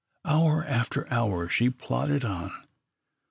Hour after hour she plodded on.